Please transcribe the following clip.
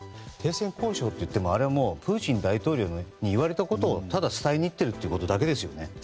停戦交渉といってもあれはプーチン大統領に言われたことをただ伝えに行っているというだけですよね。